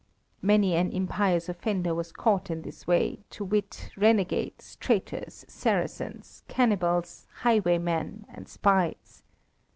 Many an impious offender was caught in this way, to wit, renegades, traitors, saracens, cannibals, highwaymen, and spies.